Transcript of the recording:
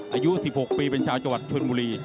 อายุ๑๖ปีเป็นชาวจังหวัดชนบุรี